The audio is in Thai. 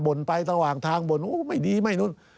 ่นไประหว่างทางบ่นไม่ดีไม่นู้น